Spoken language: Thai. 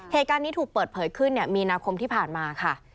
เหตุการณ์นี้ถูกเปิดเผยขึ้นมีนาคมที่ผ่านมาค่ะ